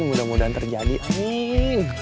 mudah mudahan terjadi amin